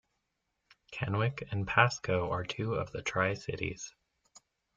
Kennewick and Pasco are two of the Tri-Cities.